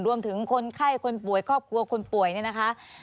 คนไข้คนป่วยครอบครัวคนป่วยเนี่ยนะคะ